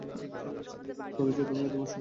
শান্তি, তুমি করেছ, তুমি তোমার সুখ বেছে নিয়েছো।